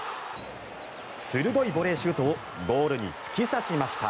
鋭いボレーシュートをゴールに突き刺しました。